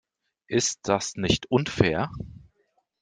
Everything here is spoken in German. Ist das nicht unfair?